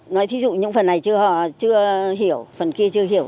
nói thí dụ những phần này chưa hiểu phần kia chưa hiểu